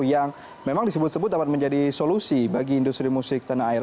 yang memang disebut sebut dapat menjadi solusi bagi industri musik tanah air